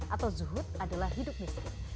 atau zuhud adalah hidup miskin